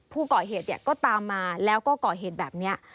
ผู้ก่อเหตุก็ตามมาแล้วก็ก่อเหตุแบบนี้